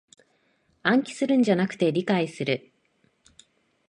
暗記するんじゃなく理解する